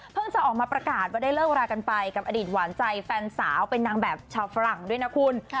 จะออกมาประกาศว่าได้เลิกรากันไปกับอดีตหวานใจแฟนสาวเป็นนางแบบชาวฝรั่งด้วยนะคุณ